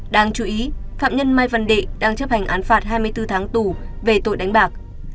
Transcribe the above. đáng chú ý phạm nhân mai văn đệ đang chấp hành án phạt hai mươi bốn tháng tù về tội đánh bạc